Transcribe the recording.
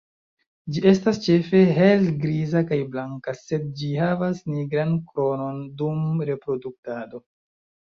Ĝi estas ĉefe helgriza kaj blanka, sed ĝi havas nigran kronon dum reproduktado.